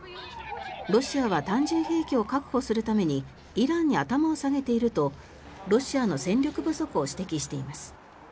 ロシアは単純兵器を確保するためにイランに頭を下げているとロシアの戦力不足を指摘しています。